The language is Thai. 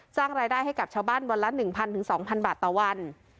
จ้างรายได้ให้กับชาวบ้านวันละหนึ่งพันถึงสองพันบาทตะวัน